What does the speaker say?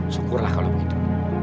syukurlah kalau begitu